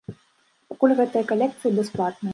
Пакуль гэтыя калекцыі бясплатныя.